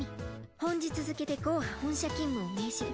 本日付けでゴーハ本社勤務を命じる。